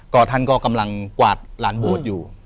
ก็ท่านก็กำลังกวาดลานโบสถ์อยู่